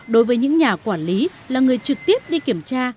đối với những nhà quản lý là người trực tiếp đi kiểm tra